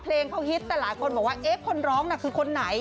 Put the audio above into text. เพลงเขาฮิตแต่หลายคนบอกว่าเอ๊ะคนร้องน่ะคือคนไหน